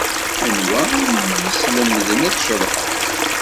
Anwa ay am-yeslemden ad tceḍḥeḍ?